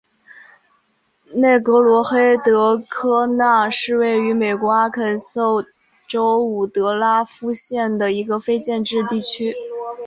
内格罗黑德科纳是位于美国阿肯色州伍德拉夫县的一个非建制地区。